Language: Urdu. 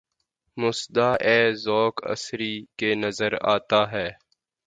مُژدہ ، اے ذَوقِ اسیری! کہ نظر آتا ہے